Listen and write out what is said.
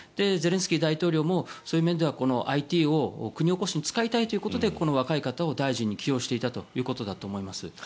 ゼレンスキー大統領もそういう面ではＩＴを国興しに使いたいということでこの若い方を大臣に起用していたということだと思います。